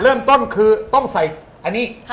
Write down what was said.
เริ่มต้นคือต้องใส่อันนี้